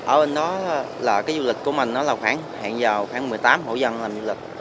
ở bên đó là cái du lịch của mình nó là khoảng hạn giàu khoảng một mươi tám hộ dân làm du lịch